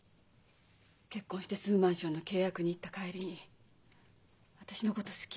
結婚して住むマンションの契約に行った帰りに「私のこと好き？」